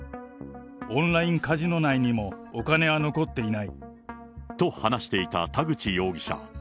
オンラインカジノ内にもお金は残っていない。と話していた田口容疑者。